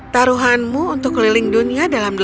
taruhanmu untuk keliling dunia dalam delapan puluh hari